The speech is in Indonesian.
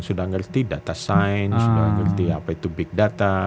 sudah mengerti data science sudah mengerti apa itu big data